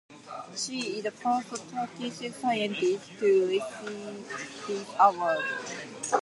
She is the first Turkish scientist to receive this award.